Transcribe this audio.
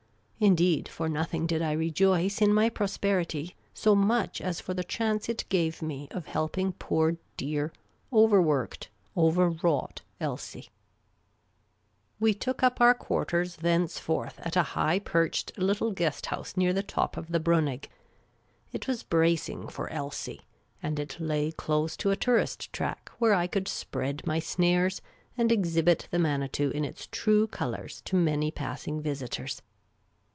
Indeed, for nothing did I rejoice in my pros perity .so much as for the ciiance it gave me of helping poor dear, overworked, overwrought Ulsie. • The Amateur Commission Agent 105 We took up our quarters thenceforth at a high perched little guest house near the top of the Briiiiig. It was bracing for Klsie ; and it lay close to a tourist track where I could spread my snares and exhibit the Manitou in its true colours to many passing visitors.